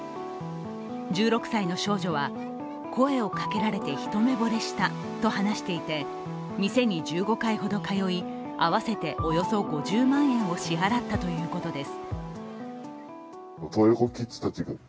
１６歳の少女は、声をかけられて一目ぼれしたと話していて、店に１５回ほど通い、合わせておよそ５０万円を支払ったということです。